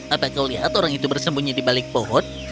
apa kau lihat orang itu bersembunyi di balik pohon